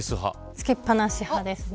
つけっぱなし派です。